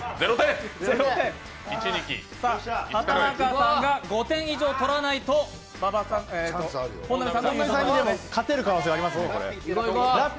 畠中さんが５点以上とらないと本並さんにも勝てる可能性ありますね。